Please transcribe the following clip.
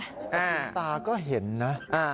คุณตาก็เห็นนะ